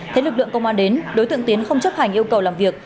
thấy lực lượng công an đến đối tượng tiến không chấp hành yêu cầu làm việc